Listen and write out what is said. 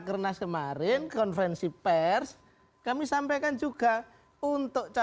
kemarin pun hasil rakernas kemarin konferensi pers kami sampaikan juga untuk bapresnya kami serahkan kepada pak gajar